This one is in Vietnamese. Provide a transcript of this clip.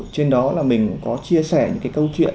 trên đó là mình cũng có chia sẻ những cái câu chuyện